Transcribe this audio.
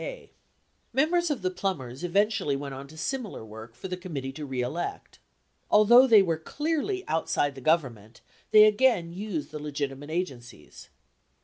35 Members of the Plumbers eventually went on to similar work for the Committee To Re Elect, Although they were clearly outside the Government, they again used the legitimate agencies.